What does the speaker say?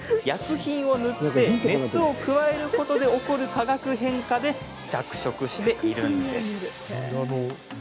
薬品を塗り熱を加えることで起こる化学変化で着色しているんです。